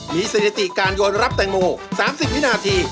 มีสถิติการโยนรับแตงโม๓๐วินาที